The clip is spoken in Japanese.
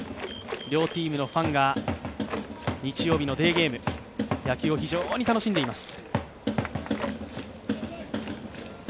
両チームのファンが日曜日のデーゲーム、野球を非常に楽しんでいます。